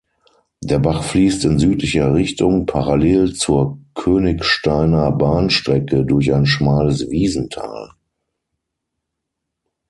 Der Bach fließt in südlicher Richtung, parallel zur Königsteiner Bahnstrecke, durch ein schmales Wiesental.